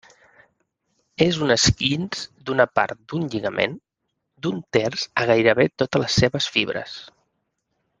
És un esquinç d'una part d'un lligament, d'un terç a gairebé totes les seves fibres.